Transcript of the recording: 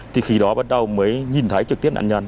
thì khi đó bắt đầu mới nhìn thấy trực tiếp nạn nhân